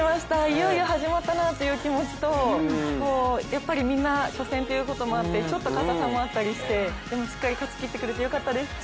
いよいよ始まったなという気持ちとみんな、初戦ということもあってちょっと硬さもあったりしてでもしっかり勝ちきってくれてよかったです。